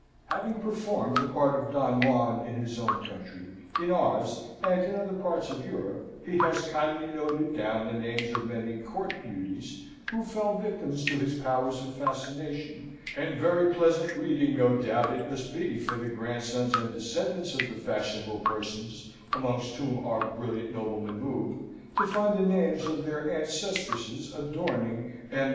Having performed the part of Don Juan in his own country, in ours, and in other parts of Europe, he has kindly noted down the names of many court beauties who fell victims to his powers of fascination; and very pleasant reading no doubt it must be for the grandsons and descendants of the fashionable persons amongst whom our brilliant nobleman moved, to find the names of their ancestresses adorning M.